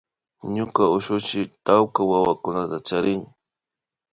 Ñuka ushushi tawka mashikunata charin